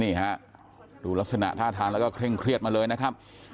นี่ฮะดูลักษณะท่าทางแล้วก็เคร่งเครียดมาเลยนะครับ